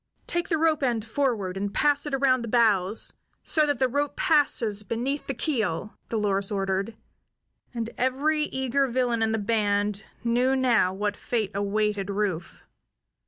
"Take the rope end forward, and pass it around the bows, so that the rope passes beneath the keel," Dolores ordered, and every eager villain in the band knew now what fate awaited Rufe.